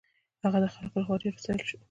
هغه د خلکو له خوا ډېر وستایل شو.